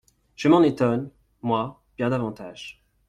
Je m'en étonne, moi, bien davantage.